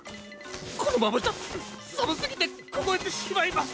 このままじゃさむすぎてこごえてしまいます！